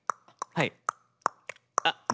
はい。